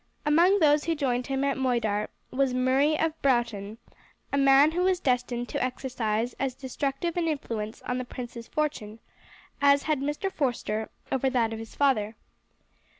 Among those who joined him at Moidart was Murray of Broughton, a man who was destined to exercise as destructive an influence on the prince's fortune as had Mr. Forster over that of his father.